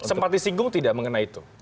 sempat disinggung tidak mengenai itu